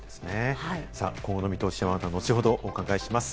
今後の見通しは、また後ほどお伺いします。